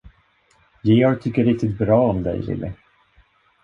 Georg tycker riktigt bra om dig, Lily.